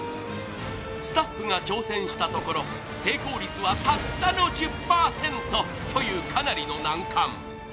スタッフが挑戦したところ成功率はたったの１０％というかなりの難関。